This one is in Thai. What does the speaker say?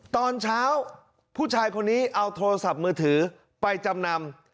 ตอนเช้าผู้ชายคนนี้เอาโทรศัพท์มือถือไปจำนำ